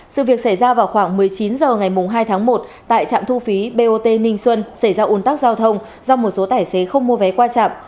sự việc xảy ra vào khoảng một mươi chín h ngày hai tháng một tại trạm thu phí bot ninh xuân xảy ra ồn tắc giao thông do một số tài xế không mua vé qua trạm